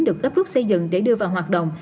được gấp rút xây dựng để đưa vào hoạt động